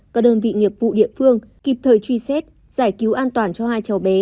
các đơn vị nghiệp vụ địa phương kịp thời truy xét giải cứu an toàn cho hai cháu bé